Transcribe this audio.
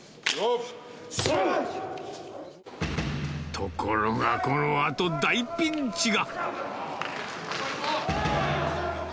ところが、このあと大ピンチが。